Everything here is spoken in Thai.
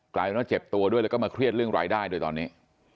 กลายเป็นว่าเจ็บตัวด้วยแล้วก็มาเครียดเรื่องรายได้ด้วยตอนนี้